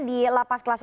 di lapas kelas satu